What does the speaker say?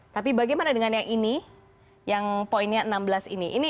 tapi bagaimana dengan yang ini yang poinnya enam belas ini